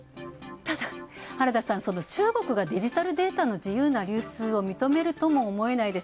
ただ、原田さん、中国がデジタルデータの自由な流通を認めるとも思えないです。